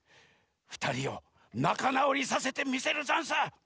ふたりをなかなおりさせてみせるざんす！